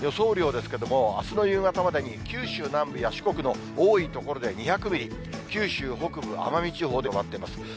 雨量ですけども、あすの夕方までに、九州南部や四国の多い所で２００ミリ、九州北部、奄美地方で１５０ミリとなっています。